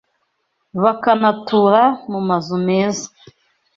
bakanatura mu mazu meza.